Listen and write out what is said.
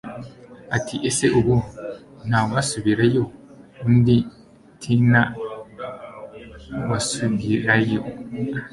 ati ese ubu ntawasubirayo undi tna wasubirayo